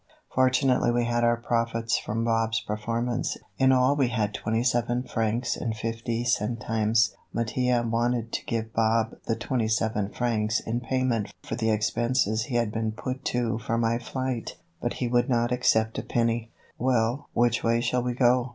Fortunately we had our profits from Bob's performance. In all we had twenty seven francs and fifty centimes. Mattia wanted to give Bob the twenty seven francs in payment for the expenses he had been put to for my flight, but he would not accept a penny. "Well, which way shall we go?"